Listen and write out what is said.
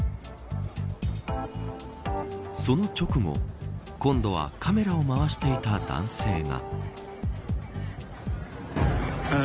その直後今度はカメラをまわしていた男性が。